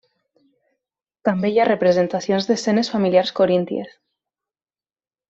També hi ha representacions d'escenes familiars corínties.